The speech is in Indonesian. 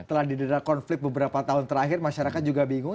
setelah didera konflik beberapa tahun terakhir masyarakat juga bingung